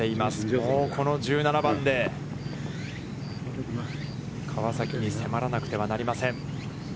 もうこの１７番で川崎に迫らなくてはなりません。